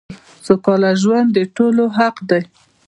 سوکاله ژوند دټولو حق دی .